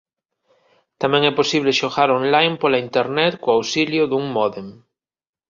Tamén é posible xogar online pola Internet co auxilio dun módem.